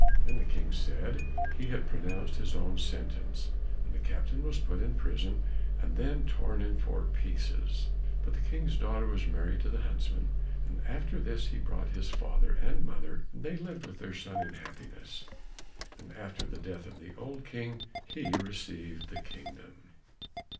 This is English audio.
Then the King said he had pronounced his own sentence, and the captain was put in prison and then torn in four pieces; but the King's daughter was married to the huntsman. After this he brought his father and mother, and they lived with their son in happiness, and after the death of the old King he received the kingdom.